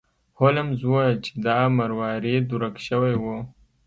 هولمز وویل چې دا مروارید ورک شوی و.